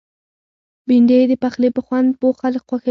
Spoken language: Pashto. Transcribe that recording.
بېنډۍ د پخلي په خوند پوه خلک خوښوي